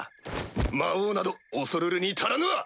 魔王など恐るるに足らぬわ！